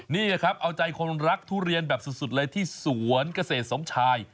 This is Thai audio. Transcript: นี่แหละครับเอาใจคนรักทุเรียนแบบสุดเลยที่สวนเกษตรสมชาย